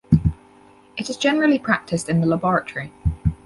It is generally practised in the laboratory.